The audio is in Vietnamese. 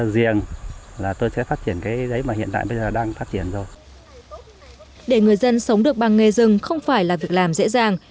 để người dân sống được bằng nghề rừng không phải là việc làm dễ dàng